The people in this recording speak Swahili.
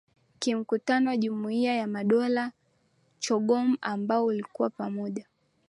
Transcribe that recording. K mkutano wa jumuiya ya madola chogum ambao ulikuwa pamoja